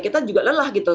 kita juga lelah gitu